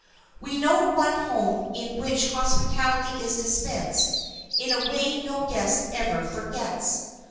We know one home in which hospitality is dispensed in a way no guest ever forgets.